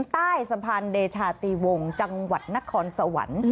ใต้สะพานเดชาติวงจังหวัดนครสวรรค์